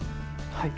はい。